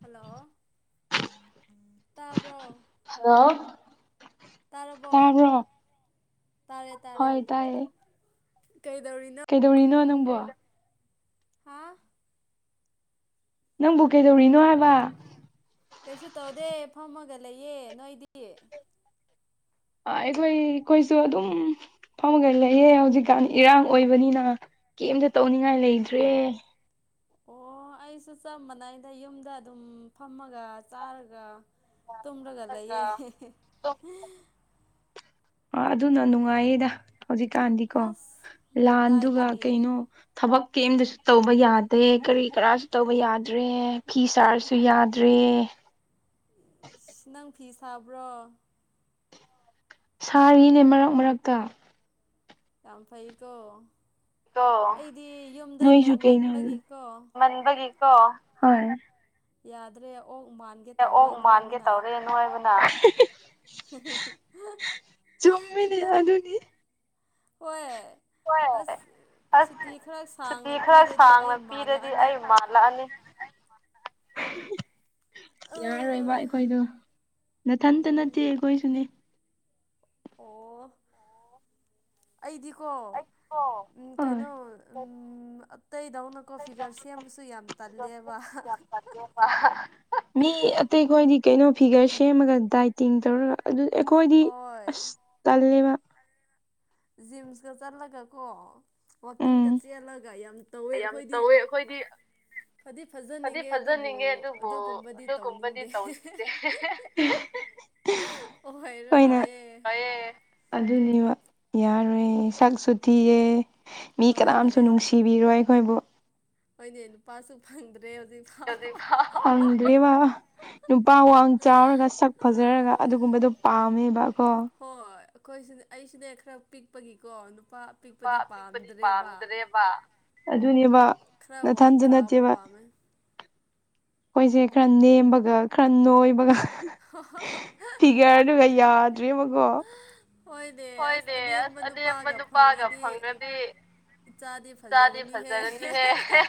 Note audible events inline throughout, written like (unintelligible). hello ꯇꯥꯕ꯭ꯔꯣ hello ꯇꯥꯔꯕꯣ ꯇꯥꯔꯦ-ꯇꯥꯔꯦ ꯀꯩꯗꯧꯔꯤꯅꯣ ꯀꯩꯗꯧꯔꯤꯅꯣ ꯅꯪꯕꯣ ꯍꯥꯥ ꯅꯪꯕꯨ ꯀꯩꯗꯧ ꯀꯩꯁꯨ ꯇꯧꯗꯦ ꯐꯝꯃꯒ ꯂꯩꯌꯦ ꯅꯣꯏꯗꯤ ꯑ ꯑꯩꯏ ꯀꯣꯏꯁꯨ ꯑꯗꯨ ꯐꯝꯃꯒ ꯂꯩꯌꯦ ꯍꯧꯖꯤꯛꯀꯥꯟ ꯏꯔꯥꯡ ꯑꯣꯏꯕꯅꯤꯅ ꯀꯩꯝꯇ ꯇꯧꯅꯤꯡꯉꯥꯏ ꯂꯩꯇ꯭ꯔꯦ ꯑꯣ ꯑꯩꯁꯨ ꯆꯞ ꯃꯅꯩꯗ ꯌꯨꯝꯗ ꯑꯗꯨꯝ ꯐꯝꯃꯒ ꯆꯥꯔꯒ ꯇ꯭ꯔꯒꯌꯦ ꯑ ꯑꯗꯨꯅ ꯅꯨꯡꯉꯥꯏꯌꯦꯗ ꯍꯧꯖꯤꯛꯀꯥꯟꯗꯤꯀꯣ ꯂꯥꯟꯗꯨꯒ ꯀꯩꯅꯣ ꯊꯕꯛ ꯀꯔꯤꯝꯗꯁꯨ ꯇꯧꯕ ꯌꯥꯗꯦ ꯀꯔꯤ ꯀꯔꯥꯁꯨ ꯇꯧꯕ ꯌꯥꯗ꯭ꯔꯦ ꯐꯤ ꯁꯥꯔꯁꯨ ꯌꯥꯗ꯭ꯔꯦ ꯅꯪ ꯐꯤ ꯁꯥꯕ꯭ꯔꯣ ꯁꯥꯔꯤꯅꯦ ꯃꯔꯛ ꯃꯔꯛꯇ ꯌꯥꯝ ꯐꯩꯀꯣ ꯑꯩꯗꯤ ꯌꯨꯝꯗ ꯂꯩꯃꯟꯕꯒꯤꯀꯣ ꯌꯥꯗ꯭ꯔꯦ ꯑꯣꯛ ꯃꯥꯟ ꯑꯦ ꯑꯣꯛ ꯃꯥꯟꯒꯦ ꯇꯧꯔꯦꯅꯣ ꯍꯥꯏꯕꯅ ꯆꯨꯝꯃꯤꯅꯦ ꯑꯗꯨꯨꯗꯤ ꯍꯣꯏ ꯑꯁ ꯁꯨꯇꯤ ꯈꯔ ꯁꯥꯡꯅ ꯄꯤꯔꯗꯤ ꯑꯩ ꯃꯥꯜꯂꯛꯑꯅꯤ ꯌꯥ ꯔꯦ ꯚꯥꯏ ꯑꯩꯈꯣꯏꯗꯣ ꯅꯊꯟꯇ ꯅꯠꯇꯦ ꯑꯩꯈꯣꯏꯁꯨꯅꯦ ꯑꯣ ꯑꯩꯗꯤꯀꯣ ꯎꯝ ꯀꯩꯅꯣ ꯎꯝ ꯀꯩꯗꯧꯅꯣꯀꯣ ꯐꯤꯒꯔ ꯁꯦꯝꯕꯁꯨ ꯌꯥꯝ ꯇꯜꯂꯦꯕ ꯃꯤ ꯑꯇꯩ ꯈꯣꯏꯗꯤ ꯀꯩꯅꯣ ꯐꯤꯒꯔ ꯁꯦꯝꯃꯒ ꯗꯥꯏꯇꯤꯡ ꯇꯧꯔꯒ ꯑꯗꯨ ꯑꯩꯈꯣꯏꯗꯤ ꯑꯁ ꯇꯜꯂꯦꯕ ꯖꯤꯝꯁꯀ ꯆꯠꯂꯒ ꯀꯣ ꯋꯥꯛꯀꯤꯡꯒ ꯆꯦꯜꯂꯒ ꯌꯥꯝ ꯇꯧꯋꯦ ꯑꯩꯈꯣꯏꯗꯤ ꯐꯗꯤ ꯐꯖꯅꯤꯡꯉꯦ ꯑꯗꯨꯕꯨ ꯑꯗꯨꯒꯨꯝꯕꯗꯤ ꯇꯧꯅꯤꯡꯗꯦ ꯎ ꯑꯣ ꯍꯣꯏꯔ ꯔꯑꯦ ꯑꯗꯨꯅꯤ ꯌꯥꯔꯣꯏ ꯁꯛꯁꯨ ꯊꯤꯌꯦ ꯃꯤ ꯀꯅꯥꯝꯁꯨ ꯅꯨꯡꯁꯤ ꯀꯤꯕꯤꯔꯣꯏ ꯑꯩꯈꯣꯏꯕꯨ ꯍꯣꯏꯅꯦ ꯅꯨꯄꯥꯁꯨ ꯐꯪꯗ꯭ꯔꯦ ꯍꯧꯖꯤꯛ ꯗꯔꯤ ꯋꯥ ꯅꯨꯄꯥ ꯋꯥꯡ ꯆꯥꯎꯔꯒ ꯁꯛ ꯐꯖꯔꯒ ꯑꯗꯨꯒꯨꯝꯕꯗꯣ ꯄꯥꯝꯃꯦꯕꯀꯣ ꯍꯣꯏ ꯍꯣꯏ ꯑꯩꯈꯣꯏꯁꯤ ꯑꯩꯁꯤꯅꯦ ꯈꯔ ꯄꯤꯛꯄꯒꯤꯀꯣ ꯅꯨꯄꯥ ꯅꯨꯄꯥ ꯑꯄꯤꯛꯄꯗꯤ ꯄꯥꯝꯗꯔꯦꯕ ꯑꯗꯨꯅꯦꯕ ꯅꯊꯟꯇ ꯅꯠꯇꯦꯕ ꯑꯩꯈꯣꯏꯁꯦ ꯈꯔ ꯅꯦꯝꯕꯒ ꯈꯔ ꯅꯣꯏꯕꯒ ꯐꯤꯒꯔꯗꯨꯒ ꯌꯥꯗ꯭ꯔꯤꯕꯕꯀꯣ ꯍꯣꯏꯅꯦ ꯑꯁ ꯑꯅꯦꯝꯕ ꯅꯨꯄꯥꯒ ꯐꯪꯔꯗꯤ ꯥꯏꯆꯥꯗꯤ ꯐꯖꫪꯅꯤꯍꯦ ꯍꯦ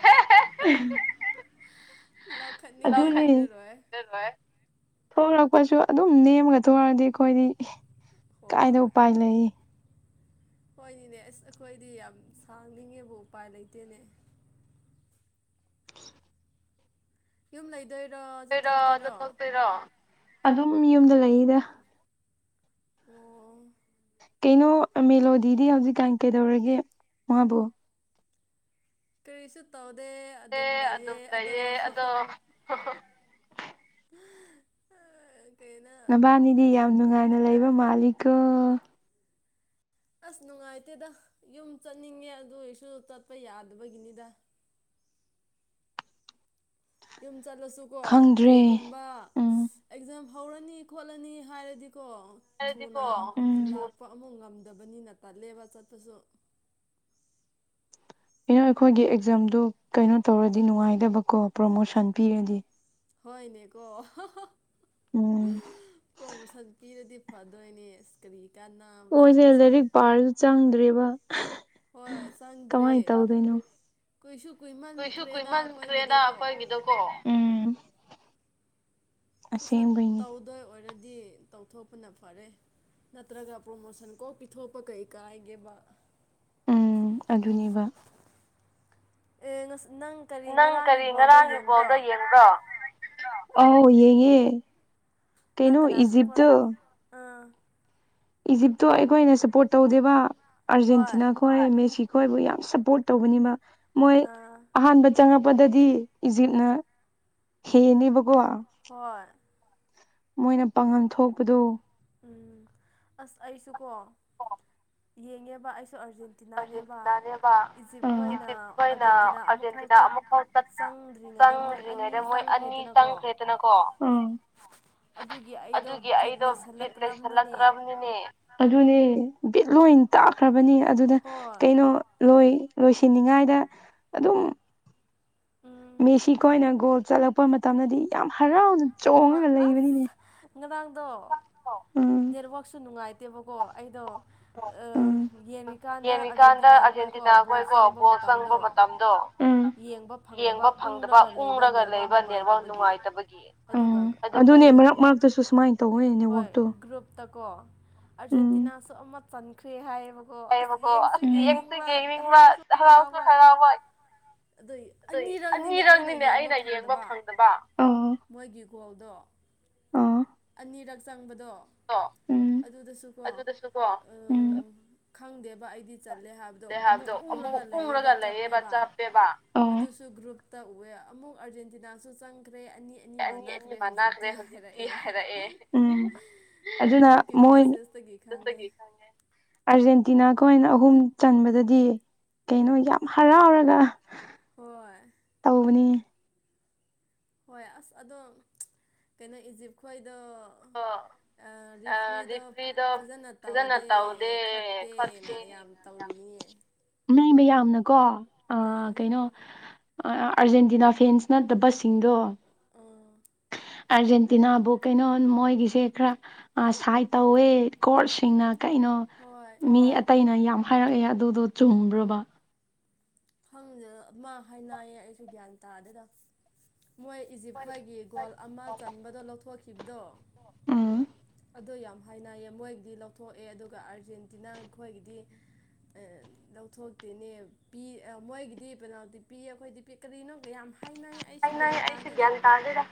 ꯍꯦ ꯍꯦ ꯑ ꯊꯣꯛꯣꯂꯛꯄꯁꯨ ꯑꯗꯨꯝ ꯅꯦꯝꯃꯒ ꯊꯣꯛꯑꯗꯤ ꯑꯩꯈꯣꯏꯗꯤ ꯍꯣꯏ ꯍꯣꯏꯅꯤꯅꯦ ꯑꯁ ꯑꯩꯈꯣꯏꯗꯤ ꯌꯥꯝ ꯁꯥꯡꯅꯤꯡꯉꯦꯕꯨ ꯎꯄꯥꯏ ꯂꯩꯇꯦꯅꯦ ꯌꯨꯝ ꯂꯩꯗꯣꯏꯔꯣ ꯆꯠꯊꯣꯛꯇꯣꯏꯔꯣ ꯔꯣ ꯑꯗꯨꯝ ꯌꯨꯝꯗ ꯂꯩꯔꯤꯗ ꯑꯣ ꯀꯩꯅꯣ ꯃꯦꯂꯣꯗꯤꯗꯤ ꯍꯧꯖꯤꯛꯀꯥꯟ ꯀꯩꯗꯧꯔꯤꯒꯦ ꯃꯥꯕꯨ ꯀꯔꯤꯁꯨ ꯇꯧꯗꯦ ꯑꯗꯨꯝ ꯂꯩꯑ ꯑꯗꯣ ꯑ ꯅꯕꯥꯅꯤꯗꯤ ꯌꯥꯝ ꯅꯨꯡꯉꯥꯏꯅ ꯂꯩꯕ ꯃꯥꯜꯂꯤꯀꯣ ꯑꯁ ꯅꯨꯡꯉꯥꯏꯇꯦꯗ ꯌꯨꯝ ꯆꯠꯅꯤꯡꯉꯦ ꯑꯗꯨ ꯑꯣꯏꯔꯁꯨ ꯆꯠꯄ ꯌꯥꯗꯕꯒꯤꯅꯤꯗ ꯌꯨꯝ ꯆꯠꯂꯁꯨꯀꯣ ꯀꯩꯒꯨꯝꯕ ꯑꯦꯛꯖꯥꯝ ꯍꯧꯔꯅꯤ ꯈꯣꯠꯂꯅꯤ ꯍꯥꯏꯔꯗꯤꯀꯣ ꯊꯨꯅ ꯂꯥꯛꯄ ꯑꯃꯨꯛ ꯉꯝꯗꯕꯅꯤꯅ ꯇꯂꯦꯕ ꯆꯠꯄꯁꯨ ꯑꯩꯅ ꯑꯩꯈꯣꯏꯒꯤ ꯑꯦꯛꯖꯥꯝꯗ ꯀꯩꯅꯣ ꯇꯧꯔꯗꯤ ꯅꯨꯡꯉꯥꯏꯗꯕꯀꯣ ꯄ꯭ꯔꯣꯃꯣꯁꯟ ꯄꯤꯔꯗꯤ ꯍꯣꯏꯅꯦꯀꯣ ꯄ꯭ꯔꯣꯃꯣꯁꯟ ꯄꯤꯔꯗꯤ ꯐꯗꯣꯣꯏꯅꯤ ꯏꯁ ꯀꯔꯤ ꯀꯅ ꯑꯣꯏꯁꯦ ꯂꯥꯏꯔꯤꯛ ꯄꯥꯔꯁꯨ ꯆꯪꯗ꯭ꯔꯦꯕ ꯍꯣꯏ ꯆꯪꯗ꯭ꯔꯦ ꯀꯨꯏꯁꯨ ꯀꯨꯏꯃꯟꯈ꯭ꯔꯦꯗ ꯑꯩꯈꯣꯏꯒꯤꯗꯣꯀꯣ ꯎꯝ ꯁꯠ ꯁꯠ ꯇꯧꯗꯣꯏ ꯑꯣꯏꯔꯗꯤ ꯇꯧꯊꯣꯛꯄꯅ ꯐꯔꯦ ꯅꯠꯇ꯭ꯔꯒ ꯄ꯭ꯔꯣꯃꯣꯁꯟ ꯀꯣꯛ ꯄꯤꯊꯣꯛꯄ ꯀꯩ ꯀꯥꯏꯒꯦꯕ ꯎꯝ ꯑꯗꯨꯅꯦꯕ ꯉ ꯅꯪ ꯅꯪ ꯀꯔꯤ ꯉꯔꯥꯡꯒꯤ ꯕꯣꯜꯗꯣ ꯌꯦꯡꯕ꯭ꯔꯣ ꯑꯧ ꯌꯦꯡꯉꯦ ꯀꯩꯅꯣ ꯏꯖꯤꯞꯇꯨ ꯑꯥ ꯏꯖꯤꯞꯇꯣ ꯑꯩꯈꯣꯏꯅ ꯁꯞꯄꯣꯔꯠ ꯇꯧꯗꯦꯕ ꯑꯥꯔꯖꯦꯟꯇꯤꯅꯥꯀꯣ ꯍꯣꯏ ꯃꯦꯁꯤ ꯈꯣꯏꯕꯨ ꯌꯥꯝ ꯁꯞꯄꯣꯔꯠ ꯇꯧꯕꯅꯤꯃ ꯃꯣꯏ ꯑꯍꯥꯟꯕ ꯆꯪꯉꯛꯄꯗꯗꯤ ꯏꯖꯤꯠꯅ ꯍꯦꯅꯦꯕꯀꯣ ꯍꯣꯏ ꯃꯣꯏꯅ ꯄꯥꯡꯉꯟ ꯊꯣꯛꯄꯗꯨ ꯎꯝ ꯑꯁ ꯑꯩꯁꯨ ꯀꯣ ꯌꯦꯡꯉꯦꯕ ꯑꯩꯁꯨ ꯑꯥꯔꯖꯦꯟ ꯑꯥꯔꯖꯦꯟꯇꯤꯅꯥꯅꯦꯕꯞ ꯑꯩꯈꯣꯏꯅ ꯑꯥꯔꯖꯦꯟꯇꯤꯅꯥ ꯑꯃ ꯐꯥꯎ ꯆꯪꯗ꯭ꯔꯤꯉꯩꯗ ꯃꯣꯏ ꯑꯅꯤ ꯆꯪꯈ꯭ꯔꯦꯗꯅꯀꯣ ꯑꯗꯨꯒꯤ ꯑꯩꯗꯣ ꯚꯤꯠ ꯂꯩꯁꯜꯂꯛꯇ꯭ꯔꯕꯅꯤꯅꯦ ꯑꯗꯨꯅꯦ ꯕꯤꯠ ꯂꯣꯏ ꯇꯥꯛꯈ꯭ꯔꯕꯅꯤ ꯑꯗꯨꯗ ꯂꯣꯏ ꯂꯣꯏꯁꯤꯟꯅꯤꯉꯥꯏꯗ ꯑꯗꯨꯝ ꯃꯦꯁꯤ ꯈꯣꯏꯅ ꯒꯣꯜ ꯆꯠꯂꯛꯄ ꯃꯇꯝꯗꯗꯤ ꯌꯥꯝ ꯍꯔꯥꯎꯅ ꯆꯣꯡꯉꯒ ꯂꯩꯕꯅꯤꯅꯦ ꯉꯔꯥꯡꯗꯣ ꯅꯦꯠꯋꯥꯛꯁꯨ ꯅꯨꯡꯉꯥꯏꯇꯦꯕꯀꯣ ꯑꯩꯗꯣ ꯑ ꯌꯦꯡꯉꯤꯀꯥꯟꯗ ꯑꯔꯖꯦꯟꯇꯤꯅꯥꯈꯣꯏꯀꯣ ꯕꯣꯜ ꯆꯪꯕ ꯃꯇꯝꯗꯣ ꯌꯦꯡꯕ ꯐꯪꯗꯕ ꯎꯪꯔꯒ ꯂꯩꯕ ꯅꯦꯠꯋꯥꯛ ꯅꯨꯡꯉꯥꯏꯇꯕꯒꯤ ꯑꯗꯨꯒ ꯑꯩꯈꯣꯏ ꯍꯣꯏ ꯒ꯭ꯔꯨꯞꯇꯀꯣ ꯑꯔꯖꯦꯟꯇꯤꯅꯥ ꯁꯨ ꯑꯃ ꯆꯥꯟꯈ꯭ꯔꯦ ꯍꯥꯏꯌꯦꯕ ꯑꯣ ꯑꯁ ꯌꯦꯡꯁꯤ ꯌꯦꯡꯅꯤꯡꯕ ꯍꯔꯥꯎꯁꯨ ꯍꯔꯥꯎꯣꯏ ꯑꯗꯨꯏ ꯑꯅꯤꯔꯛꯅꯤꯅꯦ ꯑꯩꯅ ꯌꯦꯡꯕ ꯐꯪꯗꯕ ꯃꯣꯏꯒꯤ ꯒꯣꯜꯗꯣ ꯑꯅꯤꯔꯛ ꯆꯪꯕꯗꯣ ꯎꯝ ꯑꯗꯨꯗꯁꯨꯀꯣ ꯈꯪꯗꯦꯕ ꯑꯩꯗꯤ ꯆꯠꯂꯦ ꯍꯥꯏꯕꯗꯣ ꯑꯃꯨꯛ ꯎꯔꯒ ꯂꯩꯌꯦꯕ ꯆꯞꯄꯦꯕ ꯑꯗꯨꯁꯨ ꯒ꯭ꯔꯨꯞ ꯇꯧꯎꯋꯦ ꯑꯃꯨꯛ ꯑꯥꯔꯖꯦꯟꯇꯤꯅꯥꯁꯨ ꯆꯪꯈ꯭ꯔꯦ ꯑꯅꯤ ꯑꯅꯤ ꯑꯅꯤ ꯃꯥꯟꯅꯈ꯭ꯔꯦ ꯍꯧꯖꯤꯛꯇꯤ ꯍꯥꯏꯔꯦ ꯑꯦ ꯎꯝ ꯑꯗꯨꯅ ꯃꯣꯏꯅ ꯑꯥꯔꯖꯦꯟꯇꯤꯅꯥ ꯈꯣꯏꯅ ꯑꯍꯨꯝ ꯆꯟꯕꯗꯗꯤ ꯀꯩꯅꯣ ꯌꯥꯝ ꯍꯔꯥꯎꯔꯒ ꯍꯣꯏ ꯇꯧꯕꯅꯤ ꯍꯣꯏ ꯑꯁ ꯑꯗꯣ ꯀꯩꯅꯣ ꯏꯖꯤꯞꯈꯣꯏꯗꯣ ꯔꯤꯐ꯭ꯔꯤꯗꯣ ꯐꯖꯅ ꯇꯧꯗꯦ ꯈꯣꯠꯇꯦꯅ ꯌꯥꯝ ꯇꯧꯔꯤꯌꯦ ꯅꯣꯏ ꯃꯌꯥꯝꯅꯀꯣ ꯑ ꯀꯩꯅꯣ ꯑꯥꯔꯖꯦꯟꯇꯤꯅꯥ ꯐꯦꯟꯁ ꯅꯠꯇꯕꯁꯤꯡꯗꯣ ꯑꯥ ꯑꯔꯖꯦꯟꯇꯤꯅꯥꯕꯨꯛ ꯀꯩꯅꯣ ꯃꯣꯏꯒꯤꯁꯦ ꯈꯔ ꯑ ꯁꯥꯏꯠ ꯇꯧꯋꯦ ꯀꯣꯔꯠꯁꯤꯡꯅ ꯀꯩꯅꯣ ꯍꯣꯏ ꯃꯤ ꯑꯇꯩꯅ ꯌꯥꯝ ꯍꯥꯏꯔꯛꯑꯦ ꯑꯗꯨꯗꯣ ꯆꯨꯝꯕ꯭ꯔꯣꯕ ꯈꯪꯗꯦꯗꯥ ꯑꯗꯨꯃꯥꯏ ꯍꯥꯏꯅꯌꯦ ꯑꯩꯁꯨ ꯒ꯭ꯌꯥꯟ ꯇꯥꯗꯦꯗꯥ ꯃꯣꯏ ꯏꯖꯤꯞꯈꯣꯏꯒꯤ ꯒꯣꯜ ꯑꯃ ꯆꯟꯕꯗ ꯂꯧꯊꯣꯛꯈꯤꯕꯗꯣ ꯎꯝ ꯑꯗꯨ ꯌꯥꯝ ꯍꯥꯏꯅꯩꯌꯦ ꯃꯣꯏꯒꯤꯗꯤ ꯂꯧꯊꯣꯛꯑꯦ ꯑꯗꯨꯒ ꯑꯥꯔꯖꯦꯟꯇꯤꯅꯥ ꯑꯩꯈꯣꯏꯒꯤꯗꯤ ꯑꯦ ꯂꯧꯊꯣꯛꯇꯦꯅꯦꯕ ꯄꯤ ꯑ ꯃꯣꯏꯒꯤꯗꯤ ꯄꯦꯅꯥꯜꯇꯤ ꯄꯤꯌꯦ ꯑꯩꯈꯣꯏꯗꯤ ꯄꯤ ꯀꯔꯤꯅꯣ ꯀꯌꯥꯝ ꯑꯩ ꯅꯪ ꯑꯩꯁꯨ ꯒ꯭ꯌꯥꯟ ꯇꯥꯗꯦꯗ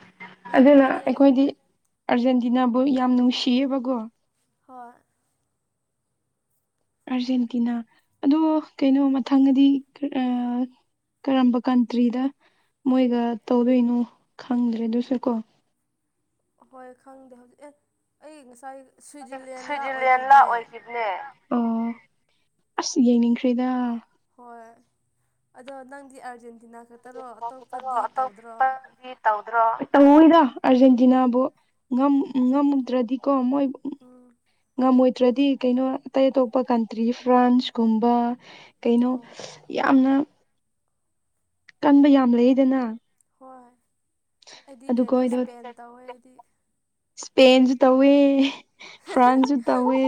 ꯑꯗꯨꯅ ꯑꯩꯈꯣꯏꯗꯤ ꯑꯥꯔꯖꯦꯟꯇꯤꯅꯥꯕꯨ ꯌꯥꯝ ꯅꯨꯡꯁꯤꯌꯦꯕꯀꯣ ꯍꯣꯏ ꯑꯥꯔꯖꯦꯟꯇꯤꯅꯥ ꯑꯗꯣ ꯀꯩꯅꯣ ꯃꯊꯪꯗꯗꯤ ꯑꯥ ꯀꯔꯝꯕ ꯀꯟꯇ꯭ꯔꯤꯗ ꯃꯣꯏꯒ ꯇꯧꯗꯣꯏꯅꯣ ꯈꯪꯗ꯭ꯔꯦ ꯑꯗꯨꯁꯨ ꯀꯣ ꯑꯍꯣꯏ ꯈꯪꯗꯦ ꯍꯧꯖꯤꯛ ꯑꯦ ꯑꯩ ꯉꯁꯥꯏ ꯁ꯭ꯋꯤꯖꯔꯂꯦꯟ ꯂꯥ ꯑꯣꯢꯈꯤꯕꯅꯦ ꯑꯣ ꯑꯁ ꯌꯦꯡꯅꯤꯡꯈ꯭ꯔꯦꯗ ꯍꯣꯏ ꯑꯗꯣ ꯅꯪꯗꯤ ꯑꯥꯔꯖꯦꯟꯇꯤꯅꯥ ꯈꯛꯇꯔꯣ ꯑꯇꯣꯞꯄꯗꯤ ꯇꯧꯗ꯭ꯔꯣ ꯇꯧꯗ꯭ꯔꯣ ꯑꯩ ꯇꯧꯏꯗ ꯑꯥꯔꯖꯦꯟꯇꯤꯅꯥꯕꯨ ꯉꯝ ꯉꯝꯗ꯭ꯔꯗꯤꯀꯣ ꯃꯣꯏ ꯑꯥ ꯉꯝꯃꯣꯏꯗ꯭ꯔꯗꯤ ꯀꯩꯅꯣ ꯑꯇꯩ ꯑꯇꯣꯞꯄ ꯀꯟꯇ꯭ꯔꯤ ꯐ꯭ꯔꯥꯟꯁꯀꯨꯝꯕ ꯀꯩꯅꯣ ꯌꯥꯝꯅ ꯀꯟꯕ ꯌꯥꯝ ꯂꯩꯗꯅ ꯍꯣꯏ ꯑꯩꯗꯤ ꯀꯩꯅꯣ ꯏꯁꯄꯦꯟ ꯇꯧꯋꯦ ꯑꯩꯗꯤ ꯏꯁꯄꯦꯟꯖꯨ ꯇꯧꯋꯦ ꯐ꯭ꯔꯥꯟꯁꯁꯨ ꯇꯧꯋꯦ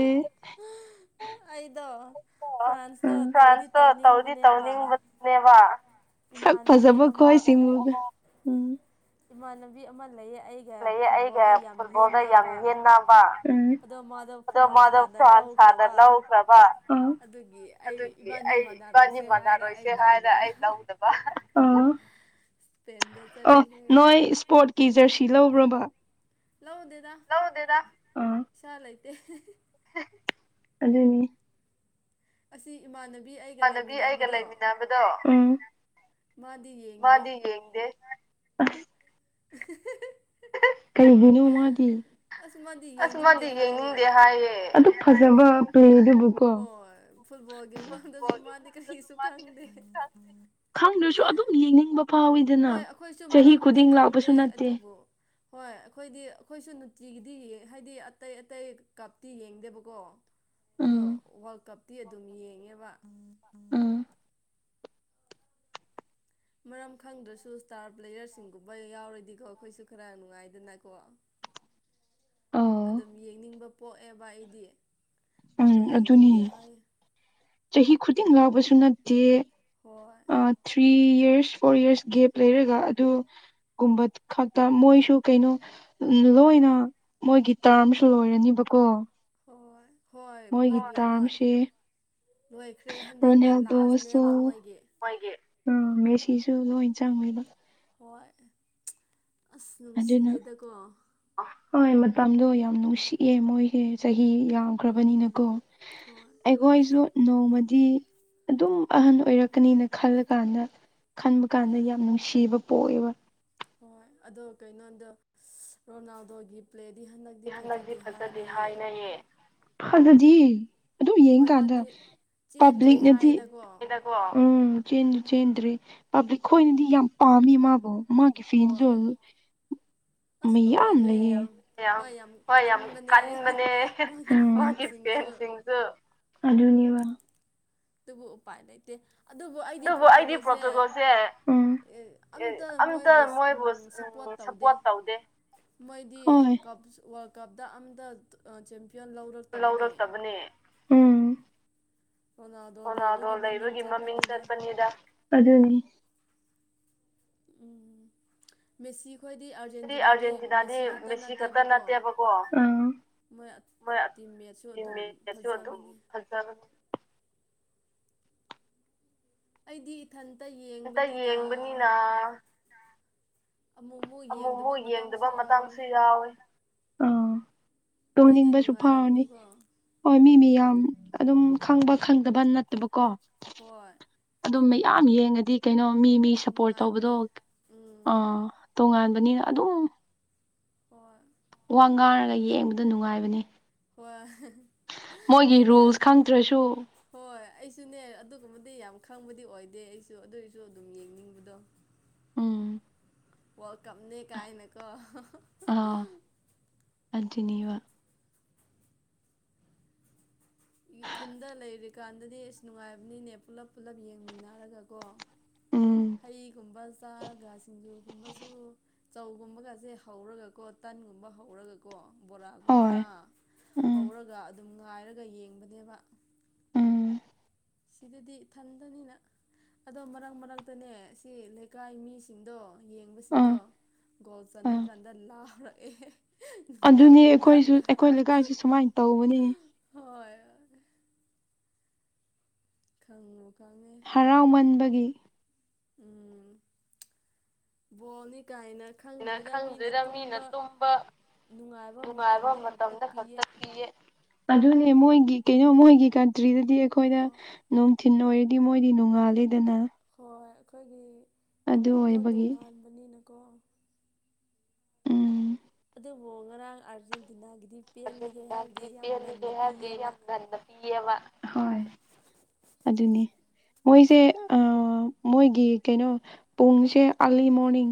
ꯎꯝ ꯐ꯭ꯔꯥꯟꯁꯇꯣ ꯇꯧꯗꯤ ꯇꯧꯅꯤꯡꯕꯅꯦꯕꯥ ꯁꯛ ꯐꯖꯕ ꯈ꯭ꯣꯏꯁꯤꯡ ꯎꯕꯗ ꯏꯃꯥꯟꯅꯕꯤ ꯑꯃ ꯂꯩꯌꯦ ꯑꯩ ꯐꯨꯠꯕꯣꯜꯗ ꯌꯥꯝ ꯌꯦꯟꯅꯕ ꯑꯗꯣ ꯃꯥꯗꯣ ꯐ꯭ꯔꯥꯟꯁ ꯍꯥꯟꯅ ꯂꯧꯈ꯭ꯔꯕ ꯑꯗꯨꯒꯤ ꯑꯩ ꯏꯕꯥꯅꯤ ꯃꯥꯟꯅꯔꯣꯏ ꯏꯁꯦ ꯍꯥꯏꯔ ꯑꯩ ꯂꯧꯗꯕ ꯑꯣ ꯅꯣꯏ ꯏꯁꯄꯣꯔꯠꯀꯤ ꯖꯔꯁꯤ ꯂꯧꯒ꯭ꯔꯕ ꯂꯧꯗꯦꯗ ꯂꯧꯗꯦꯗꯥ ꯄꯩꯁꯥ ꯂꯩꯇꯦ ꯑꯗꯨꯅꯤ ꯏꯃꯥꯟꯅꯕꯤ ꯑꯩꯒ ꯂꯩꯃꯤꯟꯅꯕꯗꯣ ꯎꯝ ꯃꯥꯗꯤ ꯌꯦꯡꯗꯦ (inaudible) ꯀꯩꯒꯤꯅꯣ ꯃꯥꯗꯤ ꯑꯁ ꯃꯥꯗꯤ ꯌꯦꯡꯅꯤꯡꯗꯦ ꯍꯥꯏꯌꯦ ꯑꯗꯨ ꯐꯖꯕ ꯄ꯭ꯂꯦꯗꯨꯕꯨꯒꯣ ꯍꯣꯏ ꯐꯨꯠꯕꯣꯜꯒꯤ ꯃꯔꯝꯗꯁꯨ ꯃꯥꯗꯤ ꯀꯔꯤꯁꯨ ꯈꯪꯗꯦ ꯈꯪꯗ꯭ꯔꯁꯨ ꯑꯗꯨꯝ ꯌꯦꯡꯅꯤꯡꯕ ꯍꯣꯏ ꯑꯩꯈꯣꯏꯁꯨ ꯃꯔꯝꯕꯨꯗꯤ ꯈꯪꯗꯦ ꯑꯗꯨꯕꯨ ꯍꯣꯏ ꯑꯩꯈꯣꯏꯗꯤ ꯑꯩꯈꯣꯏꯁꯨ ꯅꯨꯡꯇꯤꯒꯤꯗꯤ ꯍꯥꯏꯗꯤ ꯑꯇꯩ ꯑꯇꯩ ꯀꯞꯇꯤ ꯌꯦꯡꯗꯦꯕꯀꯣ ꯑꯗꯣ ꯋꯥꯜꯀꯞꯇꯤ ꯑꯗꯨꯝ ꯌꯦꯡꯉꯦꯕꯥ ꯃꯔꯝ ꯈꯪꯗ꯭ꯔꯁꯨ ꯏꯁꯇꯥꯔ ꯄ꯭ꯂꯦꯌꯔꯁꯤꯡꯒꯨꯝꯕ ꯌꯥꯎꯔꯗꯤꯀꯣ ꯑꯩꯈꯣꯏꯁꯨ ꯈꯔ ꯅꯨꯡꯉꯥꯏꯗꯅ ꯀꯣ (unintelligible) ꯑꯗꯨꯝ ꯌꯦꯡꯅꯤꯡꯕ ꯄꯣꯛꯑꯦꯕ ꯑꯩꯗꯤ ꯎꯝ ꯑꯗꯨꯅꯤ ꯆꯍꯤ ꯈꯨꯗꯤꯡ ꯂꯥꯎꯕꯁꯨ ꯅꯠꯇꯦ ꯍꯣꯏ three years four years gap ꯂꯩꯔꯒ ꯑꯗꯨ ꯒꯨꯝꯕ ꯈꯛꯇ ꯃꯣꯏꯁꯨ ꯀꯩꯅꯣ ꯃꯤ ꯂꯣꯏꯅ ꯃꯣꯏꯒꯤ ꯇꯥꯝꯁꯨ ꯂꯣꯏꯔꯅꯤꯕꯀꯣ ꯍꯣꯏ ꯍꯣꯏ ꯃꯣꯏꯒꯤ ꯍꯣꯏ ꯂꯣꯏꯈ꯭ꯔꯦ ꯍꯟꯗꯛꯅ ꯂꯥꯁꯠꯅꯦꯕ ꯃꯣꯏꯒꯤ ꯎꯝ ꯃꯦꯁꯤꯁꯨ ꯂꯣꯏ ꯆꯪꯉꯤꯕ ꯍꯣꯏ ꯑꯁ ꯅꯨꯡꯁꯤꯌꯦꯗꯀꯣ ꯍꯣꯏ ꯃꯇꯝꯗꯣ ꯌꯥꯝ ꯅꯨꯡꯁꯤꯑꯦ ꯃꯣꯏꯒꯤ ꯆꯍꯤ ꯌꯥꯝ ꯌꯝꯈ꯭ꯔꯕꯅꯤꯅ ꯀꯣ ꯑꯩ ꯒꯣꯏꯁꯨ ꯅꯣꯡꯃꯗꯤ ꯑꯗꯨꯝ ꯑꯍꯟ ꯑꯣꯏꯔꯛꯀꯅꯤꯅ ꯈꯜꯂ ꯀꯥꯟꯗ ꯈꯟꯕ ꯀꯥꯟꯗ ꯌꯥꯝ ꯅꯨꯡꯁꯤꯕ ꯄꯣꯛꯑꯦꯕ ꯍꯣꯏ ꯑꯗꯣ ꯀꯩꯅꯣꯗ ꯔꯣꯅꯥꯜꯗꯣꯒꯤ ꯄ꯭ꯂꯦꯗꯤ ꯍꯟꯗꯛꯇꯤ ꯐꯖꯗꯦ ꯍꯥꯏꯅꯩꯌꯦ ꯐꯖꯗꯤꯌꯦ ꯑꯗꯨ ꯌꯦꯡꯀꯥꯟꯗ ꯄꯕ꯭ꯂꯤꯛꯅꯗꯤ (unintelligible) ꯀꯣ ꯎꯝ ꯆꯦꯟꯖꯨ ꯆꯦꯟꯗ꯭ꯔꯦ ꯄꯕ꯭ꯂꯤꯛ ꯈꯣꯏꯅꯗꯤ ꯌꯥꯝ ꯄꯥꯝꯃꯤ ꯃꯥꯕꯣ ꯃꯥꯒꯤ ꯐꯦꯟꯖꯣꯜ ꯃꯩꯌꯥꯝ ꯂꯩꯌꯦ ꯍꯣꯏ ꯌꯥꯝ ꯀꯟꯕꯅꯦ ꯎꯝ ꯃꯥꯒꯤ ꯐꯦꯟꯁꯤꯡ ꯑꯗꯨ ꯑꯅꯤꯌ ꯑꯗꯨꯕꯨ ꯎꯄꯥꯏ ꯂꯩꯇꯦ ꯑꯗꯨꯕꯨ ꯑꯩꯗꯤ ꯄ꯭ꯔꯣꯇꯨꯒꯜꯁꯦ ꯑꯦ ꯑꯝꯇ ꯃꯣꯏꯕꯨ ꯁꯞ ꯎꯝ ꯁꯞꯄꯣꯔꯠ ꯇꯧꯗꯦ ꯃꯣꯏꯗꯤ ꯀꯞꯁ ꯋꯥꯔꯜ ꯀꯞꯇ ꯑꯝꯇ ꯆꯦꯝꯄꯤꯌꯟ ꯂꯧꯔꯛ ꯂꯧꯔꯛꯇꯕꯅꯦ ꯎꯝ ꯔꯣꯅꯥꯜꯗꯣ ꯂꯩꯕꯒꯤ ꯃꯃꯤꯡ ꯆꯠꯄꯅꯤꯗꯥ ꯑꯗꯨꯅꯦ ꯎꯝ ꯃꯦꯁꯤ ꯑꯩꯈꯣꯏꯗꯤ ꯑꯔꯖꯦꯟꯇꯤꯅꯥꯗꯤ ꯃꯦꯁꯤ ꯈꯛꯇ ꯅꯠꯇꯦꯕꯀꯣ ꯃꯣꯏ ꯇꯤꯝꯃꯦꯠꯁꯨ ꯑꯗꯨꯝ ꯐꯖꯕꯅꯦ ꯐꯖꯕꯅꯦ ꯑꯩꯗꯤ ꯏꯊꯟꯇ ꯌꯦꯡ ꯑꯝꯇ ꯌꯦꯡꯕꯅꯤꯅ ꯑꯃꯨꯛ ꯃꯨꯛ ꯑꯃꯨꯛ ꯃꯨꯛ ꯌꯦꯡꯗꯕ ꯃꯇꯥꯡꯁꯨ ꯌꯥꯎꯋꯦ ꯑ ꯇꯣꯡꯅꯤꯡꯕꯁꯨ ꯐꯥꯎꯔꯅꯤ ꯍꯣꯏ ꯃꯤ ꯃꯤꯌꯥꯝ ꯑꯗꯨꯝ ꯈꯪꯕ ꯈꯪꯗꯕ ꯅꯠꯇꯕꯀꯣ ꯍꯣꯏ ꯑꯗꯨꯝ ꯃꯌꯥꯝ ꯌꯦꯡꯉꯗꯤ ꯀꯩꯅꯣ ꯃꯤ ꯃꯤ ꯁꯞꯄꯣꯔꯠ ꯇꯧꯕꯗꯣ ꯑꯥ ꯇꯣꯉꯥꯟꯕꯅꯤꯅ ꯑꯗꯨꯝ ꯍꯣꯏ ꯋꯥ ꯉꯥꯡꯔꯒ ꯌꯦꯡꯕꯗ ꯅꯨꯡꯉꯥꯏꯕꯅꯦ ꯍꯣꯏ ꯑꯩꯗꯤ ꯍꯣꯏ ꯑꯩꯁꯨꯅꯦ ꯑꯗꯨꯒꯨꯝꯕꯗꯤ ꯌꯥꯝ ꯈꯪꯕꯗꯤ ꯑꯣꯏꯗꯦ ꯑꯩꯁꯨ ꯑꯗꯨꯏꯁꯨ ꯑꯗꯨꯝ ꯌꯦꯡꯅꯤꯡꯕꯗꯣ ꯎꯝ ꯋꯥꯜꯀꯞꯅꯦ ꯀꯥꯏꯅ ꯀꯣ ꯎꯝ ꯑꯗꯨꯅꯦꯕ ꯏ ꯈꯨꯟꯗ ꯂꯩꯔꯤꯀꯥꯟꯗꯗꯤ ꯑꯁ ꯅꯨꯡꯉꯥꯏꯕꯅꯤꯅꯦ ꯄꯨꯜꯂꯞ ꯄꯨꯜꯂꯞ ꯌꯦꯡꯃꯤꯟꯅꯔꯒ ꯀꯣ ꯍꯩꯒꯨꯝꯕ ꯆꯥꯔꯒ ꯁꯤꯡꯖꯨꯒꯨꯝꯕꯁꯨ ꯆꯧꯒꯨꯝꯕꯒꯁꯦ ꯍꯧꯔꯒꯀꯣ ꯇꯟꯒꯨꯝꯕ ꯍꯧꯔꯒꯀꯣ ꯕꯣꯔꯥꯒꯨꯝꯕ ꯍꯧꯔꯒ ꯑꯗꯨꯝ ꯉꯥꯏꯔꯒ ꯌꯦꯡꯕꯅꯦꯕ ꯁꯤꯗꯗꯤ ꯊꯟꯗꯅꯤꯅ ꯑꯗꯣ ꯃꯔꯛ ꯃꯔꯛꯇꯅꯦ ꯁꯤ ꯏꯀꯥꯏ ꯃꯤꯁꯤꯡꯗꯣ ꯌꯦꯡꯕꯁꯤꯡꯗꯣ ꯒꯣꯜ ꯆꯟꯕ ꯀꯥꯟꯗ ꯂꯥꯎꯔꯛꯑꯦ ꯑꯗꯨꯅꯤ ꯑꯩꯈꯣꯏꯁꯨ ꯑꯩꯈꯣꯏ ꯂꯩꯀꯥꯏꯁꯤ ꯁꯨꯃꯥꯏꯅ ꯇꯧꯕꯅꯤ ꯍꯣꯏ ꯈꯪꯉꯣ ꯈꯪꯉꯦ ꯍꯔꯥꯎꯃꯟꯕꯒꯤ ꯎꯝ ꯕꯣꯜꯅꯤ ꯀꯥꯏꯅ ꯈꯪꯗ꯭ꯔꯦꯗ ꯃꯤꯅ ꯇꯨꯝꯕ ꯅꯨꯡꯉꯥꯏꯕ ꯃꯇꯝꯗ ꯈꯛꯇ ꯄꯤꯌꯦ ꯑꯗꯨꯅꯦ ꯃꯣꯏꯒꯤ ꯀꯩꯅꯣ ꯃꯣꯏꯒꯤ ꯀꯟꯇ꯭ꯔꯤꯗꯗꯤ ꯑꯩꯈꯣꯏꯅ ꯅꯨꯡꯊꯤꯟ ꯑꯣꯏꯔꯗꯤ ꯃꯣꯏꯗꯤ ꯅꯣꯡꯉꯥꯜꯂꯤꯗꯅ ꯍꯣꯏ ꯑꯩꯈꯣꯏꯒꯤ ꯃꯇꯝꯗꯣ ꯇꯣꯉꯥꯟꯕꯅꯤꯅꯀꯣ ꯑꯗꯨꯕꯨ ꯉꯔꯥꯡ ꯑꯥꯔꯖꯦꯟꯇꯤꯅꯥꯒꯤꯗꯤ ꯄꯦꯜꯂꯤꯍꯦ ꯍꯥꯏꯔꯗꯤ ꯌꯥꯝ ꯉꯟꯅ ꯄꯤꯌꯦꯕ ꯏ ꯍꯣꯏ ꯑꯗꯨꯅꯤ ꯃꯣꯏꯁꯦ ꯃꯣꯏꯒꯤ ꯀꯩꯅꯣ ꯄꯨꯡꯁꯦ ꯑꯔꯂꯤ ꯃꯣꯔꯅꯤꯡ